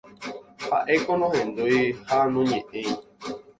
Haʼéko nohendúi ha noñeʼẽi.